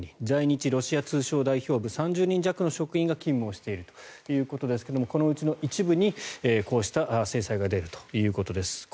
在日ロシア通商代表部３０人弱の職員が勤務をしているということですがこのうちの一部にこうした制裁が出るということです。